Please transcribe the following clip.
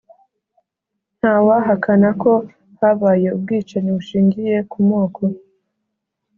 ntawahakana ko habaye ubwicanyi bushingiye ku moko